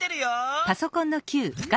あ！